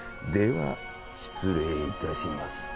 では失礼致します。